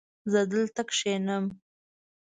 زه دلته کښېنم